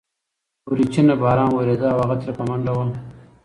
وريچينه باران وريده، هغه ترې په منډه وه.